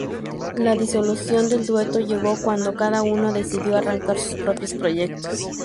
La disolución del dueto llegó cuando cada uno decidió arrancar sus propios proyectos.